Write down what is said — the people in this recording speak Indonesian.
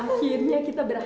akhirnya kita berhasil